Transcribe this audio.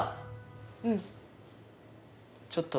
うん。